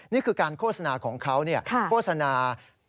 นี่คือการโฆษณาของเขาโฆษณา